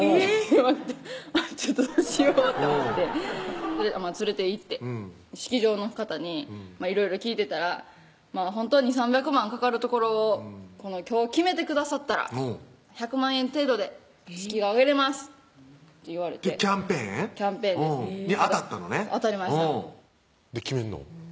待ってあっちょっとどうしようって思って連れていって式場の方にいろいろ聞いてたら「ほんとは２００３００万かかるところを今日決めてくださったら１００万円程度で式が挙げれます」って言われてキャンペーンに当たったのね当たりました決めんの？